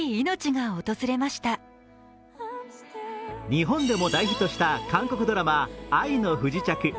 日本でも大ヒットした韓国ドラマ「愛の不時着」。